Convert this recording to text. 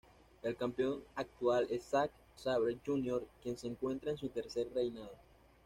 El campeón actual es Zack Sabre Jr., quien se encuentra en su tercer reinado.